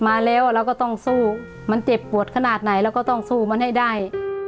มันเจ็บปวดขนาดไหนเราก็ต้องสู้มันให้ได้